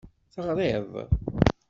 Teɣriḍ.